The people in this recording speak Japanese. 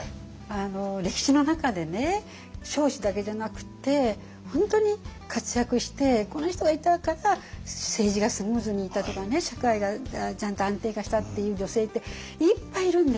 歴史の中でね彰子だけじゃなくって本当に活躍してこの人がいたから政治がスムーズにいったとかね社会がちゃんと安定化したっていう女性っていっぱいいるんですよ。